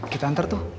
kita antar tuh